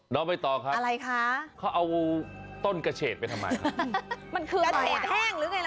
น้องไม่ตอค่ะอะไรคะเขาเอาต้นกระเฉดไปทำไมมันคือแห้งหรือไง